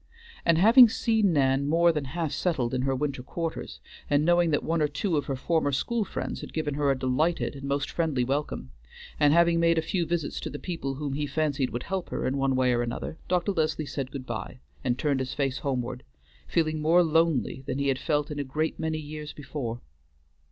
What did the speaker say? And having seen Nan more than half settled in her winter quarters, and knowing that one or two of her former school friends had given her a delighted and most friendly welcome, and having made a few visits to the people whom he fancied would help her in one way or another, Dr. Leslie said good by, and turned his face homeward, feeling more lonely than he had felt in a great many years before.